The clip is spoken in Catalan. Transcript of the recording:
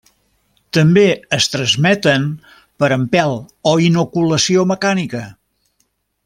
També es transmeten per empelt o inoculació mecànica.